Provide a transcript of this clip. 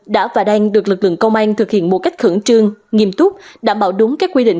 đã và đang được lực lượng công an thực hiện một cách khẩn trương nghiêm túc đảm bảo đúng các quy định